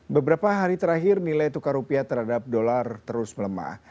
beberapa hari terakhir nilai tukar rupiah terhadap dolar terus melemah